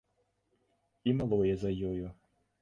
І малое за ёю.